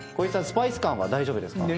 スパイス感大丈夫ですか？